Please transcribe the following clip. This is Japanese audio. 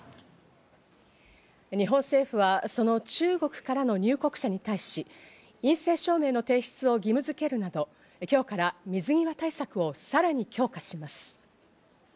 日本政府はその中国からの入国者に対し、陰性証明の提出を義務づけるなど、今日から水際対策を、さらに強化します。